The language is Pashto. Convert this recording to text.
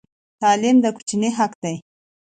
تعلیم د کوچني حق دی.